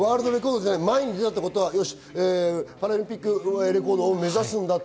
前に出たということは、パラリンピックレコードを目指すんだと。